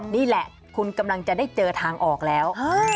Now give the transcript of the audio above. นี่แหละคุณกำลังจะได้เจอทางออกแล้ว